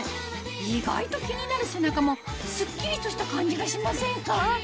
意外と気になる背中もスッキリとした感じがしませんか？